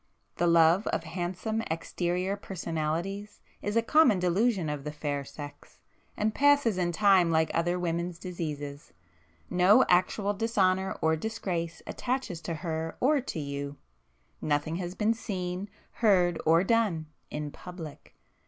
The love of handsome exterior personalities is a common delusion of the fair sex—and passes in time like other women's diseases. No actual dishonour or disgrace attaches to her or to you,—nothing has been seen, heard, or done, in public.